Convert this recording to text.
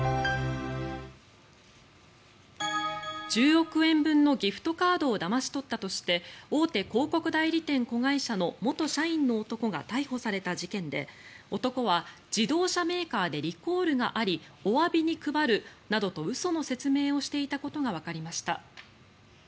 １０億円分のギフトカードをだまし取ったとして大手広告代理店子会社の元社員の男が逮捕された事件で男は自動車メーカーでリコールがありおわびに配るなどと嘘の説明をしていたことがわかりました。